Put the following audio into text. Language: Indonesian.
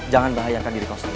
jangan bahayakan diri kau sendiri